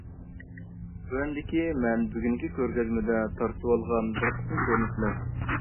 تۆۋەندىكى مەن بۈگۈنكى كۆرگەزمىدە تارتىۋالغان بىر قىسىم كۆرۈنۈشلەر.